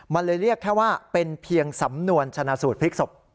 มันเลยเรียกแค่ว่าเป็นเพียงสำนวนชนะสูตรพลิกศพ